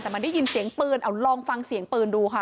แต่มันได้ยินเสียงปืนเอาลองฟังเสียงปืนดูค่ะ